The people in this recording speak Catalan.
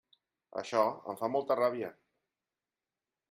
Això em fa molta ràbia.